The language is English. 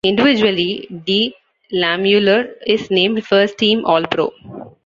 Individually, DeLamielleure is named First-team All-Pro.